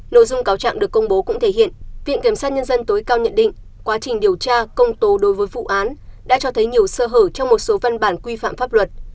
nội dung cáo trạng được công bố cũng thể hiện viện kiểm sát nhân dân tối cao nhận định quá trình điều tra công tố đối với vụ án đã cho thấy nhiều sơ hở trong một số văn bản quy phạm pháp luật